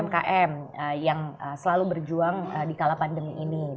umkm yang selalu berjuang di kala pandemi ini